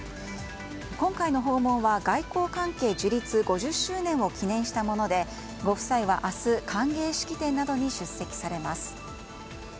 今回の訪問は外交関係樹立５０周年を記念したものでご夫妻は明日歓迎式典などに出席されます。